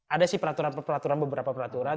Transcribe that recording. ada sih peraturan peraturan beberapa peraturan